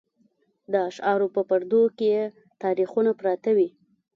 د اشعارو په پردو کې یې تاریخونه پراته وي.